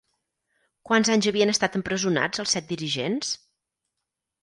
Quants anys havien estat empresonats els set dirigents?